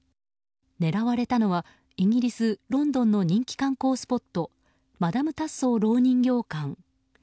狙われたのはイギリス・ロンドンの人気観光スポットマダム・タッソー蝋人形館。